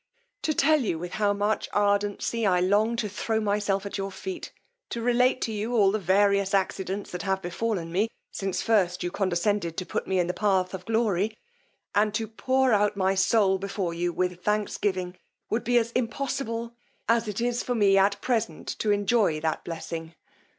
To tell you with how much ardency I long to throw myself at your feet, to relate to you all the various accidents that have befallen me since first you condescended to put me in the paths of glory, and to pour out my soul before you with thanksgiving, would be as impossible as it is for me at present to enjoy that blessing!